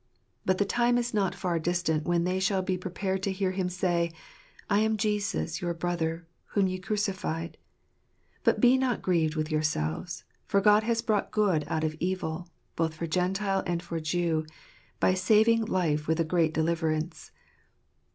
But the time is not far distant when they shall be prepared to hear Him say, "I am Jesus, your brother, whom ye crucified ; but be not grieved with yourselves, for God has brought good out of evil, both for Gentile and for Jew, by saving life with a great deliver ance."